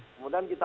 kemudian kita minta